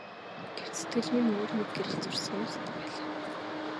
Гэвч сэтгэлд минь өөр нэг гэрэл зурсхийн тусдаг байна.